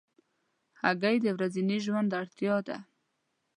هګۍ د ورځني ژوند اړتیا ده.